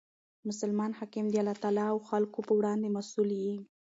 مسلمان حاکم د الله تعالی او خلکو په وړاندي مسئول يي.